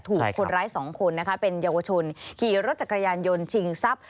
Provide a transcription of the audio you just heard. ถูกคนร้ายสองคนนะคะเป็นเยาวชนขี่รถจักรยานยนต์ชิงทรัพย์